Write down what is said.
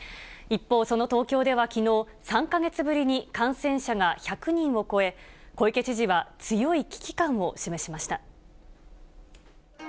一方、その東京ではきのう、３か月ぶりに感染者が１００人を超え、小池知事は強い危機感を示しました。